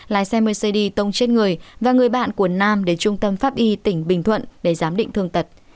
lái xe mercedy tông chết người và người bạn của nam đến trung tâm pháp y tỉnh bình thuận để giám định thương tật